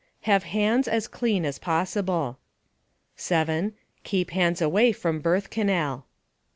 Have hands as clean as possible. 7. Keep hands away from birth canal.